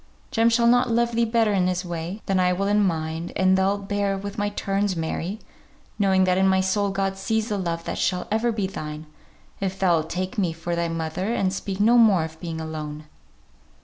Jem shall not love thee better in his way, than I will in mine; and thou'lt bear with my turns, Mary, knowing that in my soul God sees the love that shall ever be thine, if thou'lt take me for thy mother, and speak no more of being alone."